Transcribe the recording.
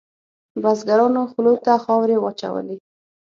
بزګرانو خولو ته خاورې واچولې.